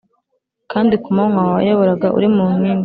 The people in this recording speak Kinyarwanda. Kandi ku manywa wabayoboraga uri mu nkingi